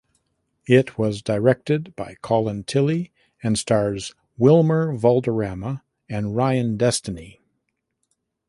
It was directed by Colin Tilley and stars Wilmer Valderrama and Ryan Destiny.